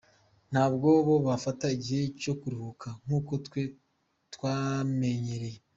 Ntabwo bo bafata igihe cyo kuruhuka nk’uko twe twamenyereye.